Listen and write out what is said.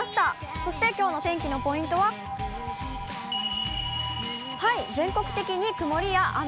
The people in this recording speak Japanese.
そしてきょうの天気のポイントは、はい、全国的に曇りや雨。